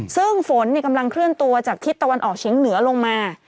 ซึ่งฝนกำลังเคลื่อนตัวจากทิศตะวันออกเฉียงเหนือลงมา